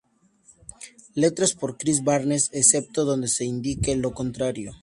Letras por Chris Barnes, excepto donde se indique lo contrario.